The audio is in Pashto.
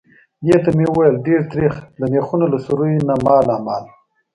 دې ته مې وویل: ډېر تریخ. د مېخونو له سوریو نه مالامال.